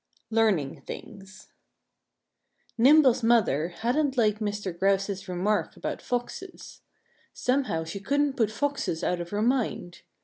II LEARNING THINGS Nimble's mother hadn't liked Mr. Grouse's remark about Foxes. Somehow she couldn't put Foxes out of her mind.